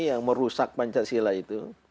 yang merusak pancasila itu